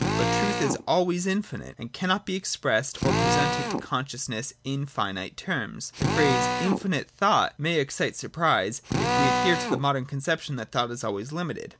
But truth is always infinite, and cannot be expressed or presented to consciousness in finite terms. The phrase infinite thought may excite surprise, if we adhere to the modern conception that thought is always limited.